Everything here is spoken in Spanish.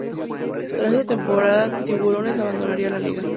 Tras esta temporada Tiburones abandonaría la liga.